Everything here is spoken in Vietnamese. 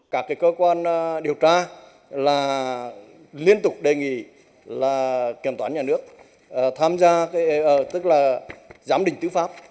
các cơ quan điều tra liên tục đề nghị kiểm toán nhà nước tham gia giám định tư pháp